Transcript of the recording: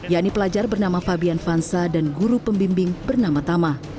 yakni pelajar bernama fabian fansa dan guru pembimbing bernama tama